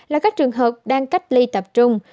là các trường hợp đang cách ly tập trung